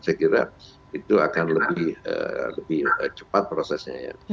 saya kira itu akan lebih cepat prosesnya ya